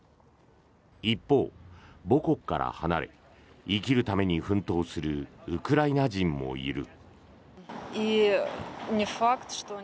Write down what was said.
一方、母国から離れ生きるために奮闘するウクライナ人もいる。